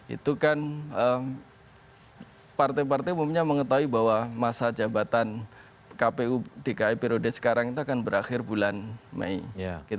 itu kan partai partai umumnya mengetahui bahwa masa jabatan kpu dki periode sekarang itu akan berakhir bulan mei